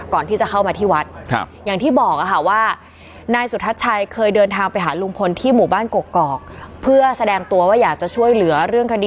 ก่อนที่จะเข้ามาที่วัด